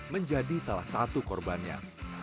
menjadi salah satu korbannya